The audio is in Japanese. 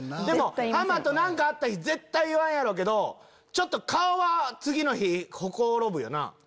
でもハマと何かあった日絶対言わんやろうけどちょっと顔は次の日ほころぶよな？